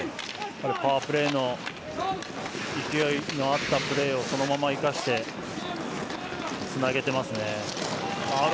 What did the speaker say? パワープレーの勢いのあったプレーをそのまま生かしてつなげていますね。